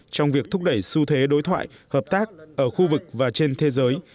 trong việc thúc đẩy xu thế đối thoại hợp tác ở khu vực và trên thế giới